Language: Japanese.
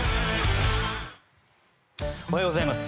おはようございます。